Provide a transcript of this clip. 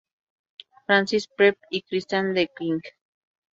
Francis Prep" y "Christ the King".